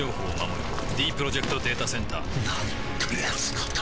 ディープロジェクト・データセンターなんてやつなんだ